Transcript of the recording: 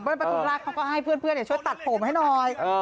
ประทุมรักษ์เขาก็ให้เพื่อนช่วยตัดผมให้หน่อย